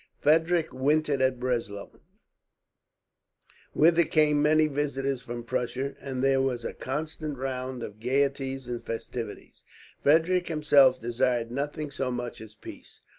Frederick wintered at Breslau, whither came many visitors from Prussia, and there was a constant round of gaieties and festivity. Frederick himself desired nothing so much as peace.